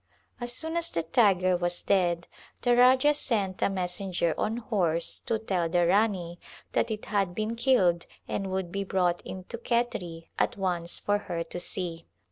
As soon as the tiger was dead the Rajah sent a messenger on horse to tell the Rani that it had been killed and would be brought in to Khetri at once for her to see.